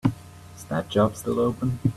Is that job still open?